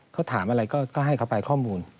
เขาถามอะไรก็ให้เขาไปข้อมูล